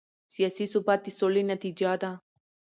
سیاسي ثبات د سولې نتیجه ده